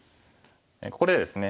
ここでですね